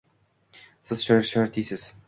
Siz shoir-shoir deysiz.